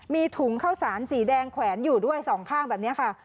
มีถุงข้าวสารสีแดงแขวนอยู่ด้วยสองข้างแบบนี้ค่ะ